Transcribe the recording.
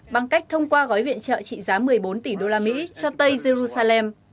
bằng cách thông qua gói viện trợ trị giá một mươi bốn tỷ đô la mỹ cho tây jerusalem